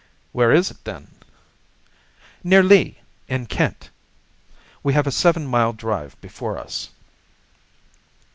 "Where is it, then?" "Near Lee, in Kent. We have a seven mile drive before us."